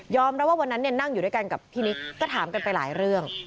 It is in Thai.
แล้วว่าวันนั้นนั่งอยู่ด้วยกันกับพี่นิกก็ถามกันไปหลายเรื่อง